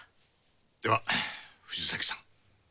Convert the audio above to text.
では藤崎さん。